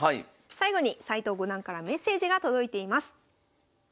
最後に斎藤五段からメッセージが届いています。